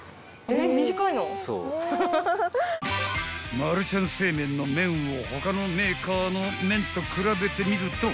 ［マルちゃん正麺の麺を他のメーカーの麺と比べてみると］